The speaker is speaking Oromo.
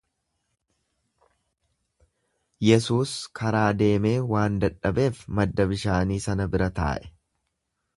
Yesuus karaa deemee waan dadhabeef madda bishaanii sana bira taa'e.